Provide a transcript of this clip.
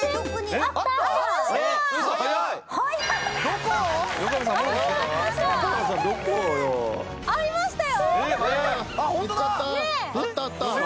あったあった。